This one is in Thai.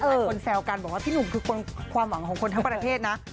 แซวกันบอกว่าพี่หนุ่มคือความหวังของคนทั้งประเทศนะ